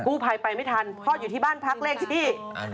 ผู้ภัยไปไม่ทันพ่ออยู่ที่บ้านพักเลขที่